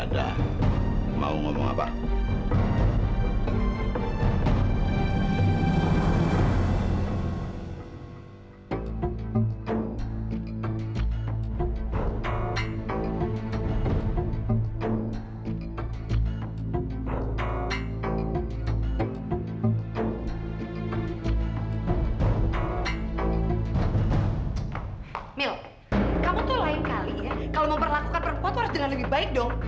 kalau memperlakukan perempuan harus dengan lebih baik dong